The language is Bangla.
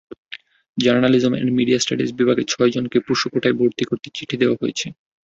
জার্নালিজম অ্যান্ড মিডিয়া স্টাডিজ বিভাগে ছয়জনকে পোষ্য কোটায় ভর্তি করতে চিঠি দেওয়া হয়েছে।